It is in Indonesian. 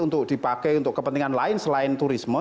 untuk dipakai untuk kepentingan lain selain turisme